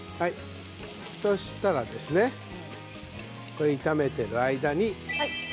そしたらですね炒めている間に。